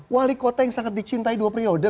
wali kota yang sangat dicintai dua periode